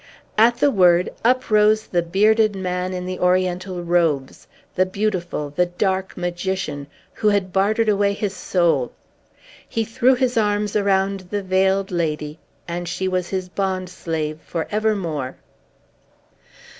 At the word, up rose the bearded man in the Oriental robes, the beautiful, the dark magician, who had bartered away his soul! He threw his arms around the Veiled Lady, and she was his bond slave for evermore!